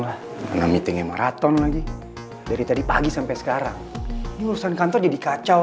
lah karena meetingnya maraton lagi dari tadi pagi sampai sekarang ini urusan kantor jadi kacau